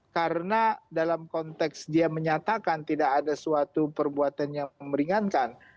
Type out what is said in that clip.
karena dalam konteks dia menyatakan tidak ada suatu perbuatan yang memeringatkan